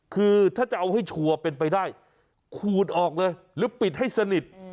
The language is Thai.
คือถ้าจะเอาให้ชัวร์เป็นไปได้ขูดออกเลยหรือปิดให้สนิท